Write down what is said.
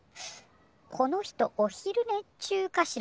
この人お昼ね中かしら？